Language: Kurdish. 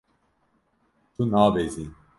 Tu nabezî.